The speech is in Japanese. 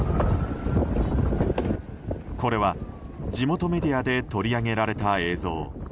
これは地元メディアで取り上げられた映像。